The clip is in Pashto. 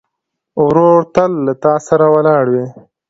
ورور تل له تا سره ولاړ وي.